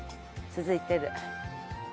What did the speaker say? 続いてる。